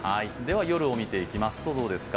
夜を見ていくとどうですか？